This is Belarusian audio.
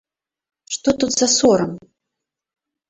Што тут за сорам?